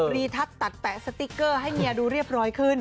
ทัศน์ตัดแปะสติ๊กเกอร์ให้เมียดูเรียบร้อยขึ้น